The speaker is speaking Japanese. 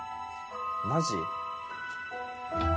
マジ？